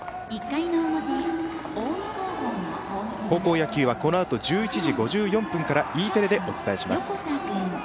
高校野球はこのあと１１時５４分からＥテレでお伝えします。